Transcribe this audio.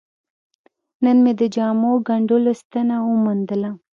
نن مې د جامو ګنډلو ستنه وموندله.